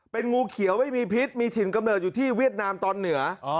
เป็นงูเขียวไม่มีพิษมีถิ่นกำเนิดอยู่ที่เวียดนามตอนเหนือ